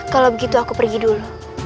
kalau begitu aku pergi dulu